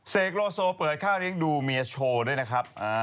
โลโซเปิดค่าเลี้ยงดูเมียโชว์ด้วยนะครับ